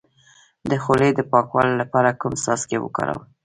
د خولې د پاکوالي لپاره کوم څاڅکي وکاروم؟